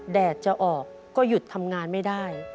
แดดจะออกก็หยุดทำงานไม่ได้